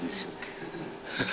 ハハハ。